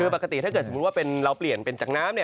คือปกติถ้าเกิดสมมุติว่าเราเปลี่ยนเป็นจากน้ำ